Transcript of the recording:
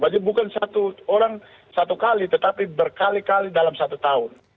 bukan satu orang satu kali tetapi berkali kali dalam satu tahun